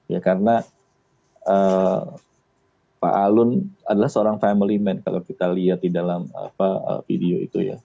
ya karena pak alun adalah seorang family man kalau kita lihat di dalam video itu ya